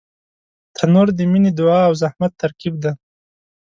تنور د مینې، دعا او زحمت ترکیب دی